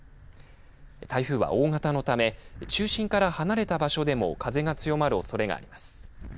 台風は大型のため中心から離れた場所でも風が強まるおそれがあります。